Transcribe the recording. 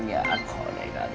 これがね